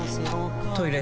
トイレ